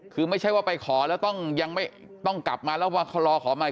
คือไม่ใช่ว่าไปขอแล้วต้องยังไม่ต้องกลับมาแล้วว่าเขารอขอใหม่